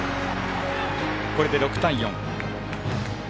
これで６対４。